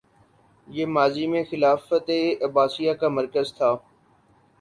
یہ ماضی میں خلافت عباسیہ کا مرکز تھا